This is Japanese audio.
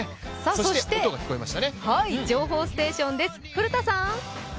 そして情報ステーションです、古田さん。